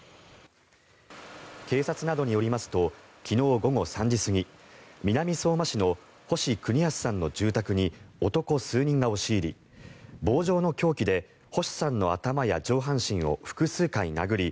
警察などによりますと昨日午後３時過ぎ南相馬市の星邦康さんの住宅に男数人が押し入り棒状の凶器で星さんの頭や上半身を複数回殴り